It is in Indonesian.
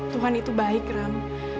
tuhan itu baik ram